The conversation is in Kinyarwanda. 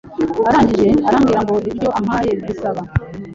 arangije arambwira ngo ibyo ampaye bisaba